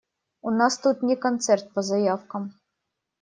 У нас тут не концерт по заявкам.